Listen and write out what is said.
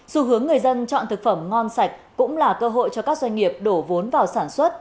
xu hướng người dân chọn thực phẩm ngon sạch cũng là cơ hội cho các doanh nghiệp đổ vốn vào sản xuất